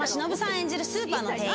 演じるスーパーの店員